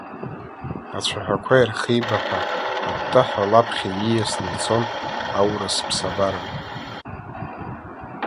Ацәаҳәақәа ирхибаҳәа, аттаҳәа лаԥхьа ииасны ицон аурыс ԥсабара.